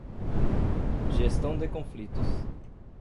Gestão de conflitos